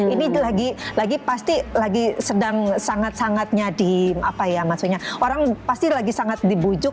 ini lagi pasti lagi sedang sangat sangatnya di apa ya maksudnya orang pasti lagi sangat dibujuk